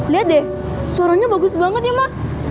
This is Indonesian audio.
liat deh suaranya bagus banget ya ma